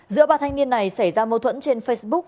giữa ba thanh niên này xảy ra mâu thuẫn trên facebook